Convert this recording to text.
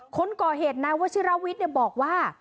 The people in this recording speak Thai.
คนก่อเหตุนายวชิรวิทย์บอกว่า